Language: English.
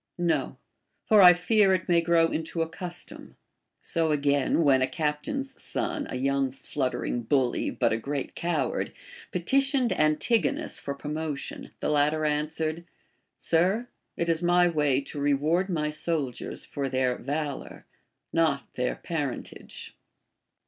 No ; for I fear it may grow into a custom. So again, when a captain's son, a young fluttering bully but a great coward, petitioned Antigonus for promotion, the latter answered : Sir, it is my way to reward my soldiers for theh valor, not their parentage.